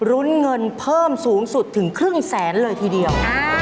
รุ้นเงินเพิ่มสูงสุดถึงครึ่งแสนเลยทีเดียว